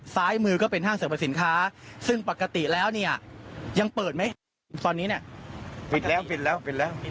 ซ้ายมือก็เป็นห้างสรรพสินค้าซึ่งปกติแล้วเนี่ยยังเปิดไหมตอนนี้เนี่ยปิดแล้วปิดแล้วเป็นแล้ว